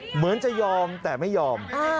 เหมือนจะยอมแต่ไม่ยอม